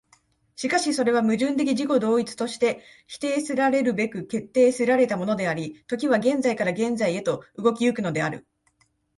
しかしそれは矛盾的自己同一として否定せられるべく決定せられたものであり、時は現在から現在へと動き行くのである。